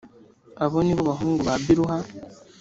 abo ni bo bahungu ba biluha